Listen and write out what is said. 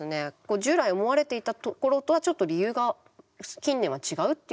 従来思われていたところとはちょっと理由が近年は違うっていう研究が進んでるんですね。